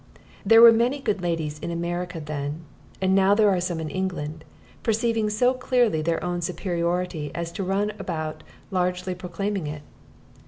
There were many good ladies in America then, and now there are some in England, perceiving so clearly their own superiority as to run about largely proclaiming it.